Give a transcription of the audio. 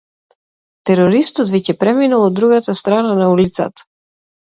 Терористот веќе преминал од другата страна на улицата.